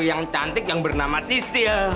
yang cantik yang bernama sisil